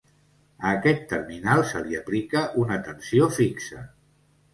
A aquest terminal se li aplica una tensió fixa.